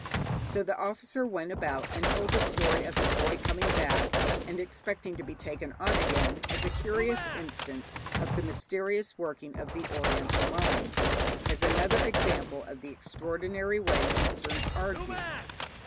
So the officer went about and told the story of his boy coming back, and expecting to be taken on again, as a curious instance of the mysterious working of the Oriental mind, as another example of the extraordinary way Easterns argue.